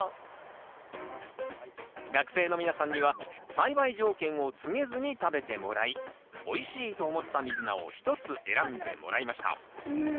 学生の皆さんには栽培条件を告げずに食べてもらいおいしいと思ったミズナを１つ選んでもらいましたうん。